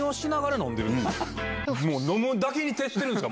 飲むだけに徹してるんですか？